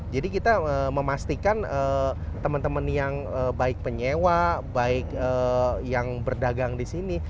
jadi kita memastikan teman teman yang baik penyewa baik yang berdagang di sini